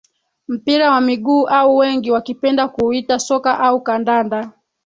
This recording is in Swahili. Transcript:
Mpira wa miguu au wengi wakipenda kuuita soka au kandanda